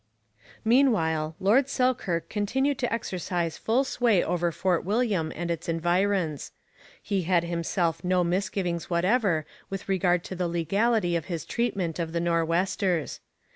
Meanwhile, Lord Selkirk continued to exercise full sway over Fort William and its environs. He had himself no misgivings whatever with regard to the legality of his treatment of the Nor'westers.